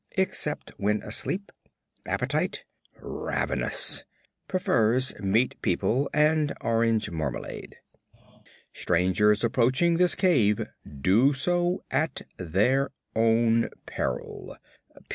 (Except when asleep.) Appetite, Ravenous. (Prefers Meat People and Orange Marmalade.) STRANGERS APPROACHING THIS CAVE DO SO AT THEIR OWN PERIL!